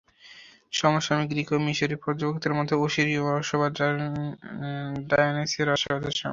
সমসাময়িক গ্রীক এবং মিশরীয় পর্যবেক্ষকদের মতে ওসিরীয় রহস্যবাদ ডায়োনিসীয় রহস্যবাদের সমান্তরাল ছিল।